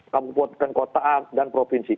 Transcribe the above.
kamu buatkan kota dan provinsi